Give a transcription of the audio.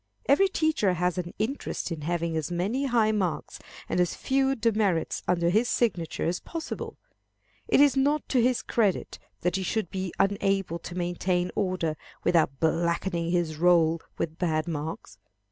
Every teacher has an interest in having as many high marks and as few demerits under his signature as possible. It is not to his credit that he should be unable to maintain order without blackening his roll with bad marks.